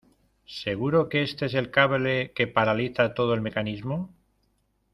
¿ seguro que este es el cable que paraliza todo el mecanismo?